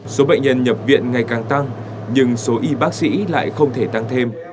số bệnh nhân nhập viện ngày càng tăng nhưng số y bác sĩ lại không thể tăng thêm